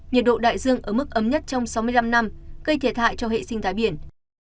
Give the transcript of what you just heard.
nhiệt độ đại dương ở mức ấm nhất trong sáu mươi năm năm gây thiệt hại cho hệ sinh thái biển